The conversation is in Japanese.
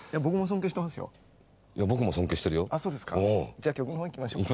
じゃあ曲の方いきましょうか。